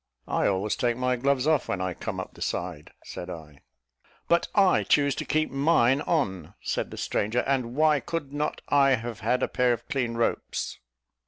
"I always take my gloves off when I come up the side," said I. "But I choose to keep mine on," said the stranger. "And why could not I have had a pair of clean ropes?"